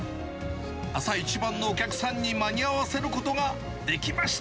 朝一番のお客さんに間に合わせることができました。